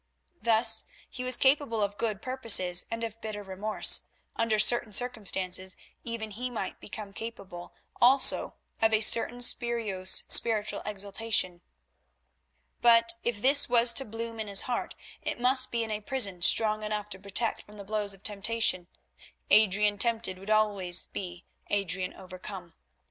Thus: he was capable of good purposes and of bitter remorse; under certain circumstances even he might become capable also of a certain spurious spiritual exaltation. But if this was to bloom in his heart, it must be in a prison strong enough to protect from the blows of temptation. Adrian tempted would always be Adrian overcome.